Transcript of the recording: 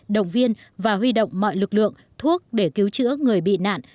động viên và huy động mọi lực lượng thuốc để cứu chữa người bị nạn